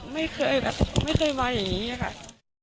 ไม่เคยมาอย่างนี้ครับ